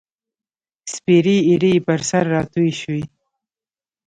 سپیرې ایرې یې پر سر راتوی شوې